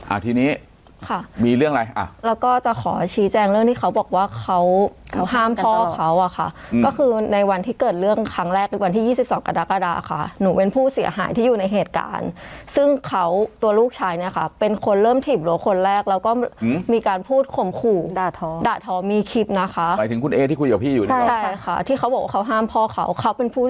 อ่าทีนี้ค่ะมีเรื่องอะไรอ่ะแล้วก็จะขอชี้แจงเรื่องที่เขาบอกว่าเขาห้ามพ่อเขาอ่ะค่ะก็คือในวันที่เกิดเรื่องครั้งแรกวันที่ยี่สิบสองกระดะกระดาค่ะหนูเป็นผู้เสียหายที่อยู่ในเหตุการณ์ซึ่งเขาตัวลูกชายเนี่ยค่ะเป็นคนเริ่มถิ่มหรือคนแรกแล้วก็มีการพูดขมขู่ด่าท้อด่าท้อมีคลิปนะคะไปถึงคุณเอที่คุยก